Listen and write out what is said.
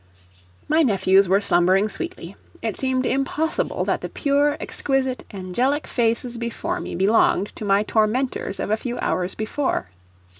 My nephews were slumbering sweetly; it seemed impossible that the pure, exquisite, angelic faces before me belonged to my tormentors of a few hours before.